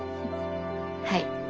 はい。